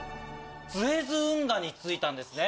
スエズ運河に着いたんですね。